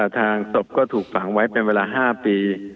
ทางศพก็ถูกฝังไว้เป็นเวลา๕ปี